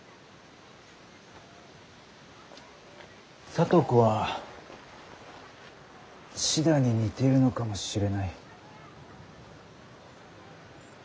聡子はシダに似ているのかもしれない。